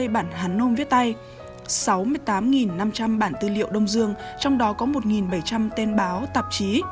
năm hai trăm tám mươi bản hán nôm viết tay sáu mươi tám năm trăm linh bản tư liệu đông dương trong đó có một bảy trăm linh tên báo tạp chí